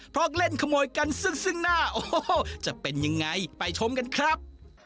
เพราะเล่นขโมยกันซึ่งหน้าโอ้โหจะเป็นยังไงไปชมกันครับ